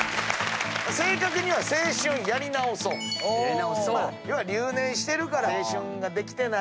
正確には「青春やり直そう」留年してるから青春ができてない。